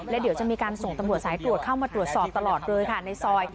แล้วเดี๋ยวจะมีการส่งตำรวจสายตรวจเข้ามาตรวจสอบตลอดเลยค่ะในซอย